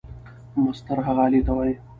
مسطر هغې آلې ته وایي.